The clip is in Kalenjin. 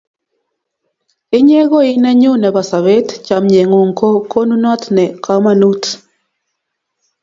Inye ko i nenyun nepo sobet, chomyeng'ung' ko konunot ne komonut.